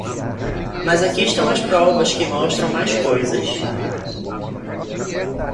Mas aqui estão as provas que mostram mais coisas.